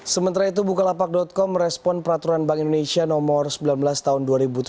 sementara itu bukalapak com merespon peraturan bank indonesia nomor sembilan belas tahun dua ribu tujuh belas